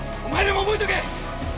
お前らも覚えとけ。